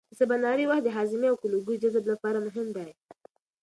د سباناري وخت د هاضمې او ګلوکوز جذب لپاره مهم دی.